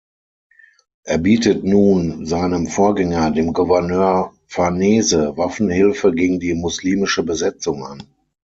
Er bietet nun seinem Vorgänger, dem Gouverneur Farnese, Waffenhilfe gegen die muslimische Besetzung an.